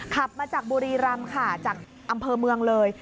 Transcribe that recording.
ขับมาจากบุรีรำค่ะจากอำเภอเมืองเลย